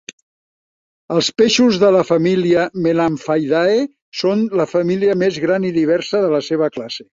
Els peixos de la família "Melamphaidae" són la família més gran i diversa de la seva classe.